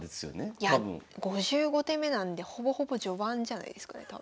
いや５５手目なんでほぼほぼ序盤じゃないですかね多分。